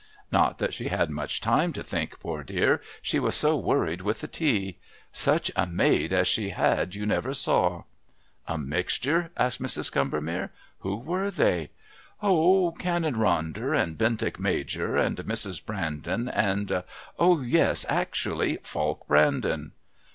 Not that she had much time to think, poor dear, she was so worried with the tea. Such a maid as she had you never saw!" "A mixture?" asked Mrs. Combermere. "Who were they?" "Oh, Canon Ronder and Bentinck Major and Mrs. Brandon and Oh, yes! actually Falk Brandon!"